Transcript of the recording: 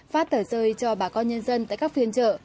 phát tởi rơi cho bà con nhân dân tại các phiên chợ